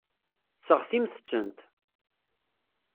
Seɣtimt-tent.